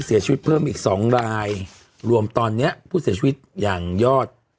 เสียชีวิตเพิ่มอีกสองรายรวมตอนเนี้ยผู้เสียชีวิตอย่างยอด